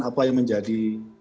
apa yang menjadi